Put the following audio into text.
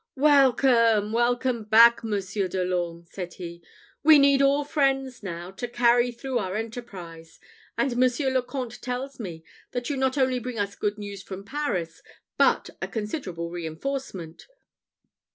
"Welcome, welcome back! Monsieur de l'Orme," said he. "We need all friends, now, to carry through our enterprise; and Monsieur le Comte tells me, that you not only bring us good news from Paris, but a considerable reinforcement.